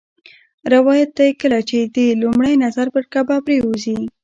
روایت دی کله چې دې لومړی نظر پر کعبه پرېوځي.